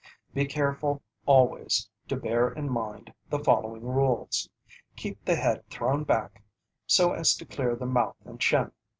Be careful always to bear in mind the following rules: Keep the head thrown back so as to clear the mouth and chin.